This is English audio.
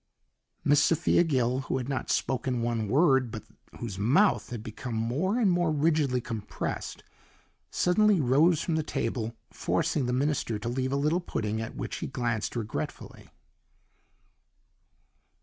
Miss Sophia Gill, who had not spoken one word, but whose mouth had become more and more rigidly compressed, suddenly rose from the table, forcing the minister to leave a little pudding, at which he glanced regretfully.